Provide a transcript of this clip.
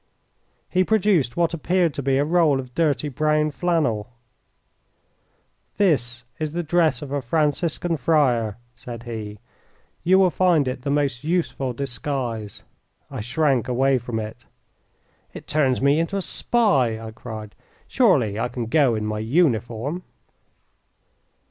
He produced what appeared to be a roll of dirty brown flannel. "This is the dress of a Franciscan friar," said he. "You will find it the most useful disguise." I shrank away from it. "It turns me into a spy," I cried. "Surely I can go in my uniform?"